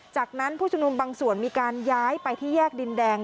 จากนั้นผู้ชุมนุมบางส่วนมีการย้ายไปที่แยกดินแดง